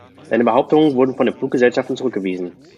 Seine Behauptungen wurden von den Fluggesellschaften zurückgewiesen.